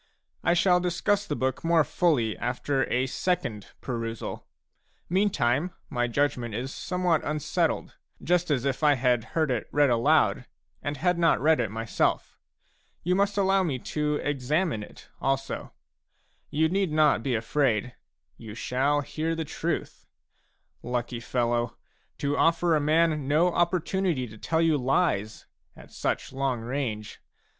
I shall discuss the book more fully after a second perusal ; meantime, my judgment is somewhat unsettled, just as if I had heard it read aloud, and had not read it myself. You must allow me to examine it also. You need not be afraid ; you shall hear the truth. Lucky fellow, to offer a man no opportunity to tell you lies at such long range !